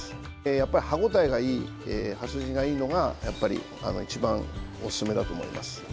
やっぱり歯応えがいい筋がいいのがやっぱり一番おすすめだと思います。